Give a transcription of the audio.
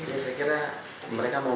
saya kira mereka mau